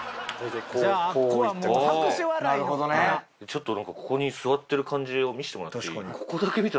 ちょっとなんかここに座ってる感じを見せてもらっていい？